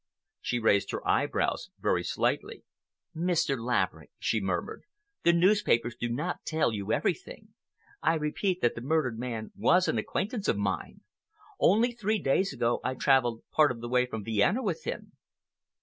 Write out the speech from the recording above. She raised her eyebrows very slightly. "Mr. Laverick," she murmured, "the newspapers do not tell you everything. I repeat that the murdered man was an acquaintance of mine. Only three days ago I traveled part of the way from Vienna with him."